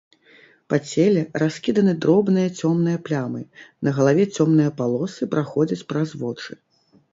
Па целе раскіданы дробныя цёмныя плямы, на галаве цёмныя палосы праходзяць праз вочы.